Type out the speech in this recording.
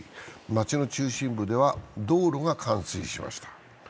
町の中心部では道路が冠水しました。